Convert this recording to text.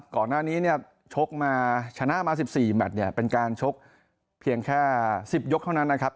ก่อนหน้านี้ชกชนะมา๑๔แมทเป็นการชกเพียงแค่๑๐ยกเท่านั้นนะครับ